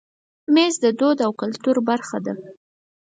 مېز د دود او کلتور برخه ده.